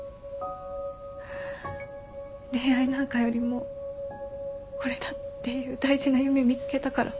恋愛なんかよりもこれだっていう大事な夢見つけたから。